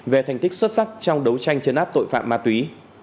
về thành tích xuất sắc trong đấu tranh chấn áp tội phạm ma túy